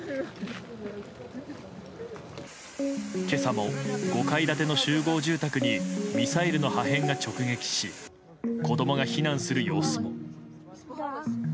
今朝も５階建ての集合住宅にミサイルの破片が直撃し子供が避難する様子も。